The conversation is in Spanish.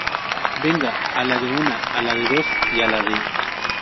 venga, a la de una, a la de dos y a la de...